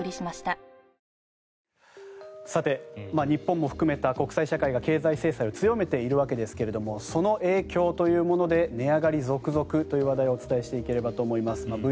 日本も含めた国際社会が経済制裁を強めているわけですがその影響というもので値上がり続々という話題をお伝えしていければと思います。